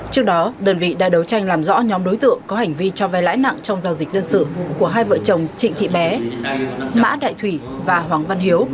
trước đó đơn vị đã đấu tranh làm rõ nhóm đối tượng có hành vi cho vai lãi nặng trong giao dịch dân sự của hai vợ chồng trịnh thị bé mã đại thủy và hoàng văn hiếu